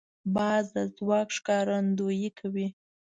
باز د ځواک ښکارندویي کوي